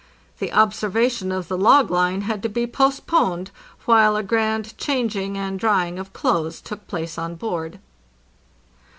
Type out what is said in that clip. The observation of the log line had to be post poned, while a grand changing and drying of clothes took place on board.